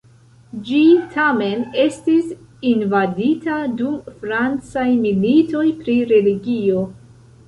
Ĝi tamen estis invadita dum francaj militoj pri religio.